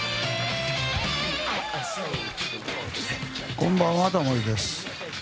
こんばんは、タモリです。